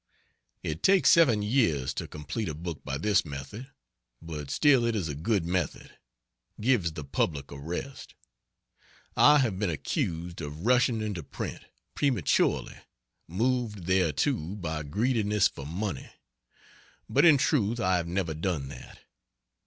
It takes seven years to complete a book by this method, but still it is a good method: gives the public a rest. I have been accused of "rushing into print" prematurely, moved thereto by greediness for money; but in truth I have never done that.